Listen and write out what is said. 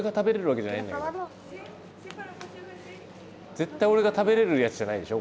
絶対俺が食べれるやつじゃないでしょ？